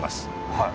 はい。